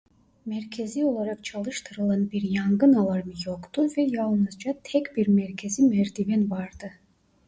Merkezi olarak çalıştırılan bir yangın alarmı yoktu ve yalnızca tek bir merkezi merdiven vardı.